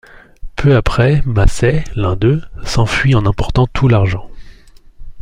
Peu après, Massey, l'un d'eux, s'enfuit en emportant tout l'argent.